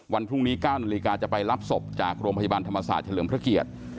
วันพรุ่งนี้๙นาฬิกาจะไปรับศพจากโรงพยาบาลธรรมศาสตร์เฉลิมพระเกียรติ